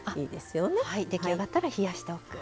出来上がったら冷やしておく。